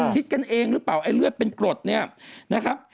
คิดกันเองหรือเปล่าไอ้เลือดเป็นกรดเนี่ยนะครับ